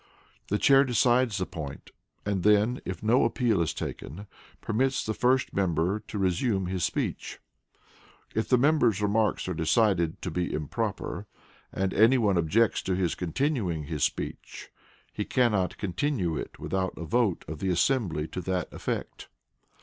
The Chair decides the point, and then, if no appeal is taken, permits the first member to resume his speech. If the member's remarks are decided to be improper, and any one objects to his continuing his speech, he cannot continue it without a vote of the assembly to that effect.